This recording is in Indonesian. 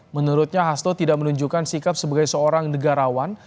menurutnya hasto tidak menunjukkan sikap sebagai seorang negarawan